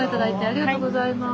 ありがとうございます。